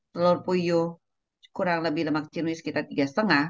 telur puyuh kurang lebih lemak jenuh sekitar tiga lima